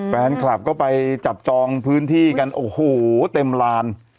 แฟนคลับก็ไปจับจองพื้นที่กันโอ้โหเต็มลาน